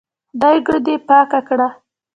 خدايکه دې پاکه کړه.